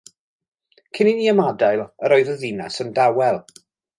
Cyn i ni ymadael yr oedd y ddinas yn dawel.